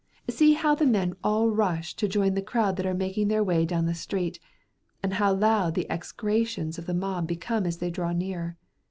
See how the men all rush to join the crowd that are making their way down the street, and how loud the execrations of the mob become as they draw nearer.